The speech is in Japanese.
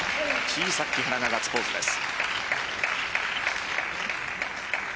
小さく木原がガッツポーズです。